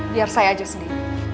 biar saya aja sendiri